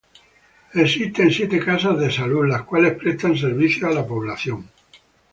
Existen siete casas de salud, las cuales prestan servicio a la población.